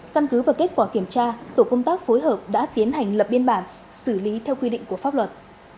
căn cứ và kết quả kiểm tra tổ công tác phối hợp đã tiến hành lập biên bản xử lý theo quy định của pháp luật